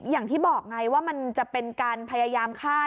อย่างที่บอกไงว่ามันจะเป็นการพยายามฆ่า